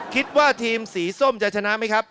คิดว่าทีมสีส้มจะชนะไหมครับ